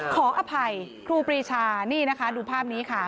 ขออภัยครูปรีชานี่นะคะดูภาพนี้ค่ะ